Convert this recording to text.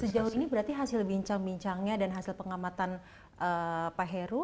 sejauh ini berarti hasil bincang bincangnya dan hasil pengamatan pak heru